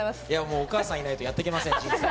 お母さんがいないとやっていけません。